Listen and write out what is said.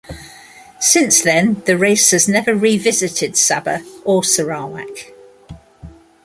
Since then, the race has never re-visited Sabah or Sarawak.